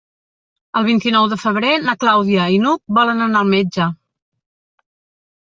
El vint-i-nou de febrer na Clàudia i n'Hug volen anar al metge.